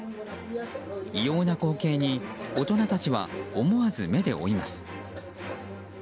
異様な光景に大人たちは思わず目で追います。